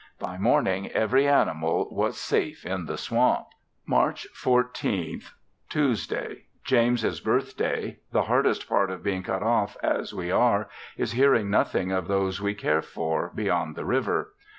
By morning every animal was safe in the swamp. March 14th. Tuesday. James's birthday; the hardest part of being cut off as we are is hearing nothing of those we care for beyond the river.